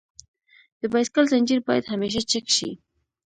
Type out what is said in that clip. د بایسکل زنجیر باید همیشه چک شي.